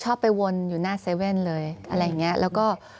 ไปวนอยู่หน้าเซเว่นเลยอะไรอย่างเงี้ยแล้วก็